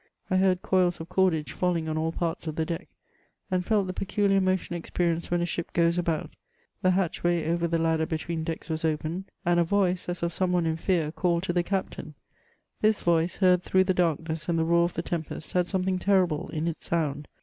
I heard coils of cordage fidlinff on all parts of tiie deck, and felt the peculiar motion experienced when a ship goes about ; the hatchway over the ladder between decks was opened, and a voice, as of some one in fear, called to the captain ; this voice, heard through the darkness and the roar of the tempest, had something terrible in its sound.